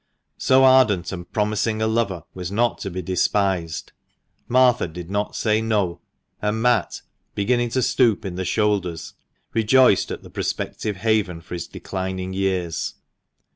So ardent and promising a lover was not to be despised. Martha did not say "No," and Matt, beginning to stoop in the shoulders, rejoiced at the prospective haven for his declining years.